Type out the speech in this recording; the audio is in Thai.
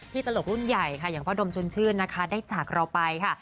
ตลกรุ่นใหญ่ค่ะอย่างพ่อดมชนชื่นนะคะได้จากเราไปค่ะ